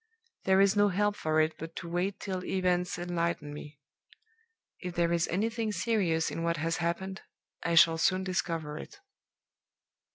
There is no help for it but to wait till events enlighten me. If there is anything serious in what has happened, I shall soon discover it."